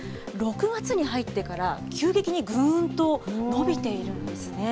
６月に入ってから、急激にぐーんと伸びているんですね。